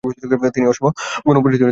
তিনি অসম গণ পরিষদের সদস্য ছিলেন।